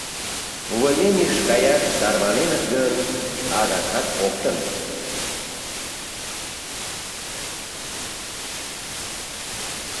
Увольненийыш каяш тарваненыт гын, — адакат коктын.